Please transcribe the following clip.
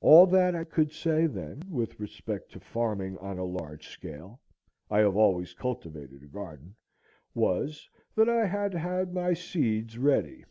All that I could say, then, with respect to farming on a large scale, (I have always cultivated a garden,) was, that I had had my seeds ready.